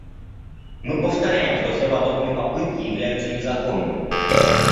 Мы повторяем, что все подобные попытки являются незаконными.